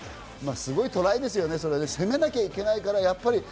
すごいトライですよね、攻めなきゃいけないから。